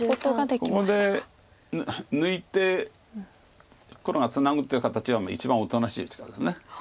ここで抜いて黒がツナぐって形は一番おとなしい打ち方です。